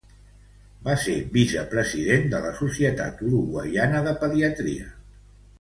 Va ser vicepresident de la Societat Uruguaiana de Pediatria.